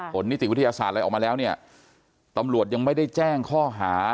นิติวิทยาศาสตร์อะไรออกมาแล้วเนี่ยตำรวจยังไม่ได้แจ้งข้อหา